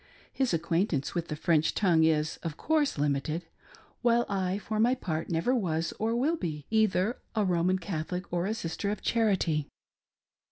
His acquaintance with the French tongue is, of course; limited ; while I; for my part, never was, or will be, either a Roman Catholic or a Sister of Charity.